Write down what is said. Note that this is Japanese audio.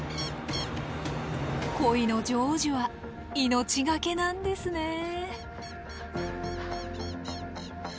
恋の成就は命懸けなんですね。